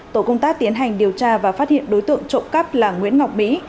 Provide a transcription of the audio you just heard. tổ công tác tiến hành điều tra và phát hiện đối tượng trộm cắp là nguyễn ngọc bí